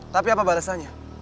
tapi apa balesannya